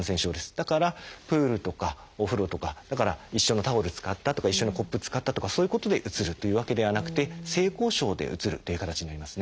だからプールとかお風呂とか一緒のタオル使ったとか一緒のコップ使ったとかそういうことでうつるというわけではなくて性交渉でうつるっていう形になりますね。